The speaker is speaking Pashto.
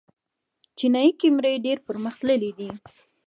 چینايي کیمرې ډېرې پرمختللې دي.